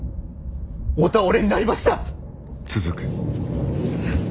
お倒れになりました！